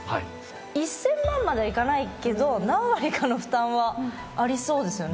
１，０００万まではいかないけど何割かの負担はありそうですよね。